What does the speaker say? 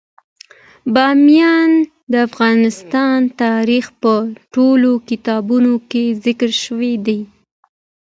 بامیان د افغان تاریخ په ټولو کتابونو کې ذکر شوی دی.